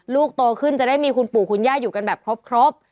ลูกโตขึ้นจะได้มีคุณปู่คุณย่าอยู่กันแบบครบ